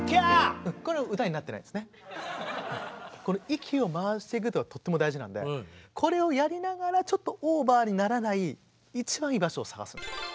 息を回していくことがとっても大事なのでこれをやりながらちょっとオーバーにならない一番いい場所を探すんです。